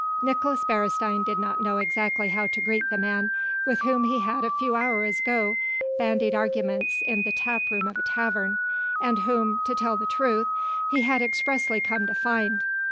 Nicolaes Beresteyn did not know exactly how to greet the man with whom he had a few hours ago bandied arguments in the tap room of a tavern, and whom to tell the truth he had expressly come to find.